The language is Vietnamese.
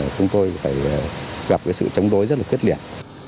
chúng tôi phải gặp sự chống đối rất là quyết liệt